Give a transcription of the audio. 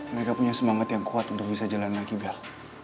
mereka punya semangat yang kuat untuk bisa jalan lagi bak